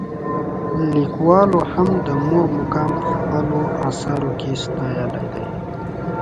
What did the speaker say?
لیکوالو هم د مور مقام په خپلو اثارو کې ستایلی دی.